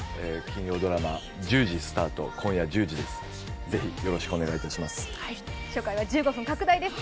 金曜ドラマ１０時スタート今夜１０時です。